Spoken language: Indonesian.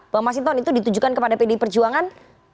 bang masinton itu ditujukan kepada pdi perjuangan